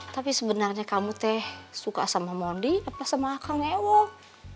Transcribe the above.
tapi sebenarnya kamu teh suka sama mondi apa sama kang ewok